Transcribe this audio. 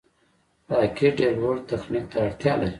راکټ ډېر لوړ تخنیک ته اړتیا لري